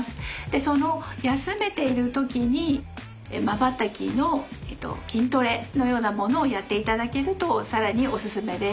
その休めている時にまばたきの筋トレのようなものをやっていただけると更にオススメです。